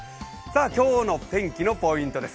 今日の天気のポイントです。